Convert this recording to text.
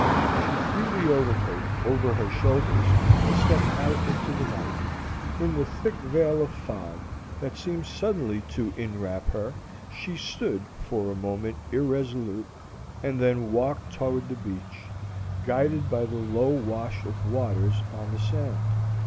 She threw the overcoat over her shoulders and stepped out into the night. In the thick veil of fog that seemed suddenly to inwrap her, she stood for a moment irresolute, and then walked toward the beach, guided by the low wash of waters on the sand.